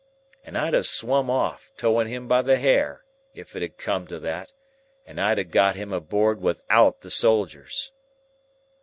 And I'd have swum off, towing him by the hair, if it had come to that, and I'd a got him aboard without the soldiers.